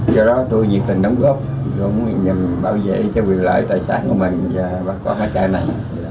do đó tôi nhiệt tình đóng góp cũng nhằm bảo vệ cho quyền lợi tài sản của mình và bắt có hai cái này